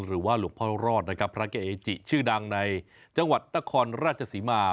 หรือว่าลูกพ่อรอดนะครับพระเก๋จิชื่อดังในจังหวัดตะคอนราชสิมา